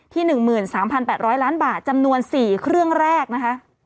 ที่หนึ่งหมื่นสามพันแปดร้อยล้านบาทจำนวนสี่เครื่องแรกนะคะ